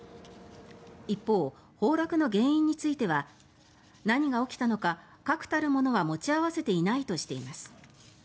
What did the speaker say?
一方、崩落の原因については何が起きたのか確たるものは持ち合わせていないとしています。